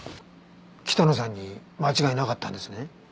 北野さんに間違いなかったんですね？